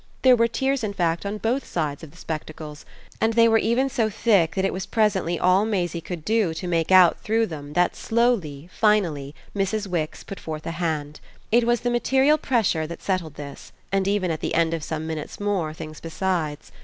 There were tears in fact on both sides of the spectacles, and they were even so thick that it was presently all Maisie could do to make out through them that slowly, finally Mrs. Wix put forth a hand. It was the material pressure that settled this and even at the end of some minutes more things besides.